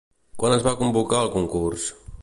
Quan es va convocar el concurs?